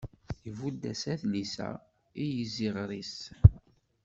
ibudd-as adlis-a i yiziɣer-is.